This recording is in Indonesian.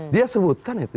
dia sebutkan itu